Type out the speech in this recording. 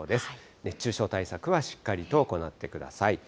熱中症対策はしっかりと行ってください。